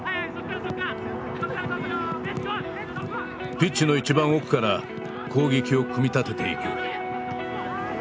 ピッチの一番奥から攻撃を組み立てていく。